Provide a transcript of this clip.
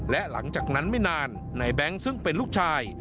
และหลังจากนั้นไม่นานนายแบงค์ซึ่งเป็นลูกชาย